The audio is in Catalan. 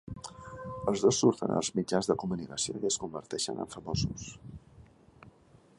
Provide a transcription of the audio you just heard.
Els dos surten als mitjans de comunicació i es converteixen en famosos.